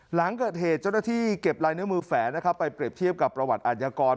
หลังเกิดเหตุเจ้าหน้าที่เก็บลายนิ้วมือแฝนะครับไปเปรียบเทียบกับประวัติอาชญากร